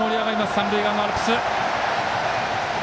三塁側のアルプス。